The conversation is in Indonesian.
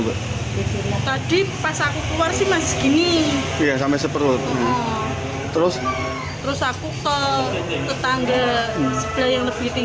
hai tadi pas aku keluar sih masih gini ya sampai seperut terus terus aku tol ketangga